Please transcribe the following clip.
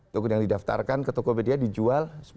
tokopedia yang didaftarkan ke tokopedia dijual sepuluh